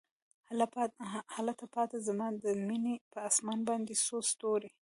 هلته پاته زما د میینې په اسمان باندې څو ستوري